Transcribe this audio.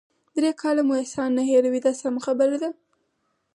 درې کاله مو احسان نه هیروي دا سمه خبره ده.